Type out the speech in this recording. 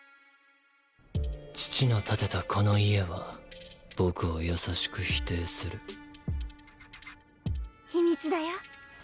父の建てたこの家は僕を優しく否定するひみつだよ。